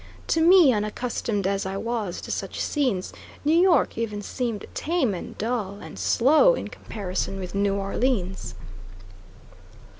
To me, unaccustomed as I was to such scenes, New York even seemed tame and dull, and slow in comparison with New Orleans.